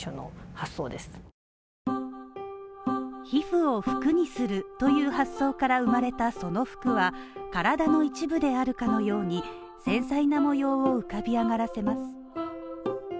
皮膚を服にするという発想から生まれたその服は体の一部であるかのように、繊細な模様を浮かび上がらせます。